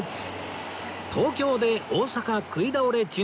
東京で大阪食い倒れ珍道中